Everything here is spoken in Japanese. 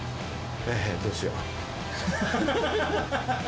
えへっ、どうしよう。